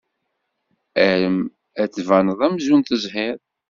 Arem ad d-tbaned amzun tezhid.